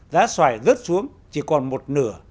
giá xoài rớt xuống chỉ còn một nửa